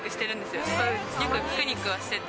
よくピクニックはしてて。